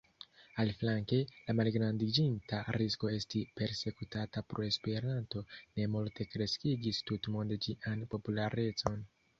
Aliflanke, la malgrandiĝinta risko esti persekutata pro Esperanto, ne multe kreskigis tutmonde ĝian popularecon.